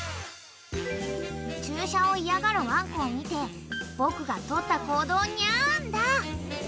［注射を嫌がるワンコを見て僕が取った行動にゃんだ？］